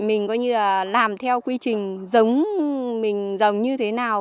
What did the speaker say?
mình coi như là làm theo quy trình giống mình giống như thế nào